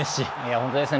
本当ですね。